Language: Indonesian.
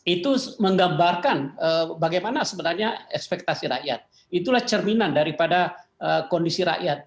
itu menggambarkan bagaimana sebenarnya ekspektasi rakyat itulah cerminan daripada kondisi rakyat